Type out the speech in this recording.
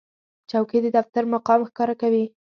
چوکۍ د دفتر مقام ښکاره کوي.